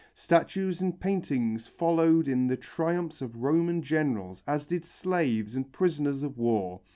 Statues and paintings followed in the triumphs of Roman generals as did slaves and prisoners of war.